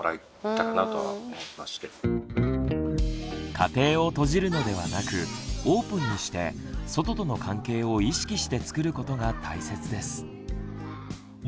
家庭を閉じるのではなくオープンにして外との関係を意識してつくることが大切です。